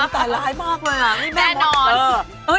ต่อล้ายมากเลย